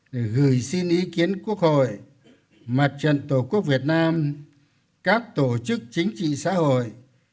để gửi xin ý kiến quốc hội mặt trận tổ quốc việt nam các tổ chức chính trị xã hội